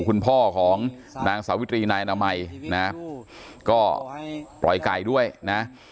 คุณพ่อของนางสาวิตรีนายอนามัยนะก็ปล่อยไก่ด้วยนะ